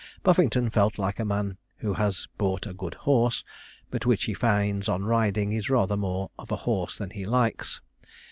Puffington felt like a man who has bought a good horse, but which he finds on riding is rather more of a horse than he likes.